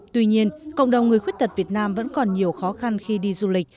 tuy nhiên cộng đồng người khuyết tật việt nam vẫn còn nhiều khó khăn khi đi du lịch